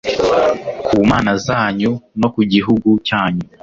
ku mana zanyu no ku gihugu cyanyu